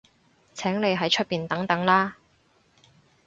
請你喺出面等等啦